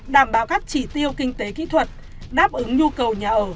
đảm bảo các chỉ tiêu kinh tế kỹ thuật đáp ứng nhu cầu nhà ở